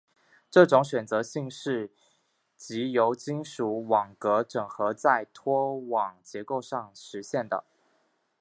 这种选择性是藉由金属网格整合在拖网结构上实现的。